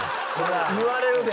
言われるで。